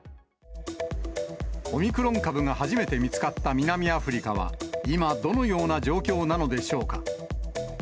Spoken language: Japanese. オミクロン株が初めて見つかった南アフリカは、今、どのような状況なのでしょうか。